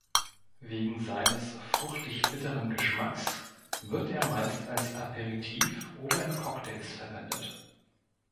Wegen seines fruchtig-bitteren Geschmacks wird er meist als Aperitif oder in Cocktails verwendet.